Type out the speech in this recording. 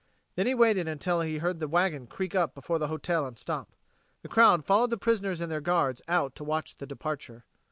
Then he waited until he heard the wagon creak up before the hotel and stop. The crowd followed the prisoners and their guards out to watch the departure.